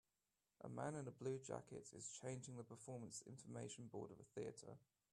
A man in a blue jacket is changing the performance information board of a theater